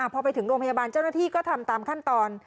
พอไปถึงโรงพยาบาลเจ้าหน้าที่ก็ทำตามขั้นตอน